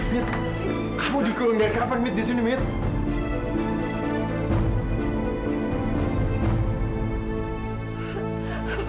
mita kamu digeleng dari kapan disini mita